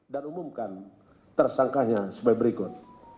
dan umumkan tersangkanya sebagai berikut